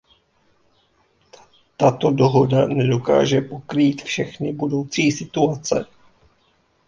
Tato dohoda nedokáže pokrýt všechny budoucí situace.